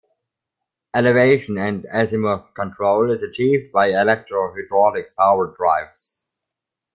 Elevation and azimuth control is achieved by electro-hydraulic power drives.